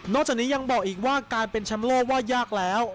จากนี้ยังบอกอีกว่าการเป็นแชมป์โลกว่ายากแล้ว